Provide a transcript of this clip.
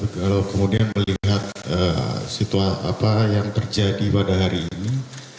kalau kemudian melihat situasi apa yang terjadi pada hari ini